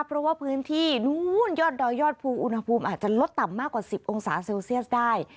เพราะว่าพื้นที่นู้นยอดดอยยอดภูอุณหภูมิอาจจะลดต่ำมากกว่า๑๐องศาเซลเซียสได้